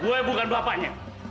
gue bukan bapaknya